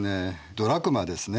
ドラクマですね。